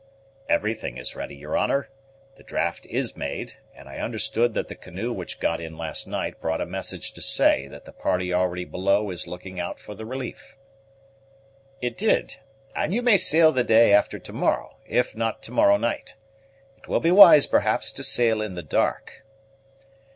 "Everything is ready, your honor. The draft is made, and I understood that the canoe which got in last night brought a message to say that the party already below is looking out for the relief." "It did; and you must sail the day after to morrow, if not to morrow night. It will be wise, perhaps, to sail in the dark."